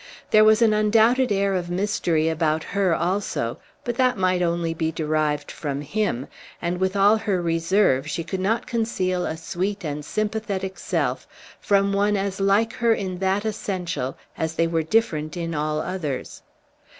There was an undoubted air of mystery about her also; but that might only be derived from him, and with all her reserve she could not conceal a sweet and sympathetic self from one as like her in that essential as they were different in all others.